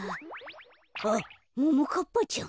あっももかっぱちゃん。